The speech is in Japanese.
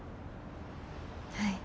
はい。